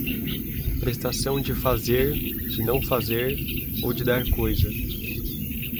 prestação de fazer, de não fazer ou de dar coisa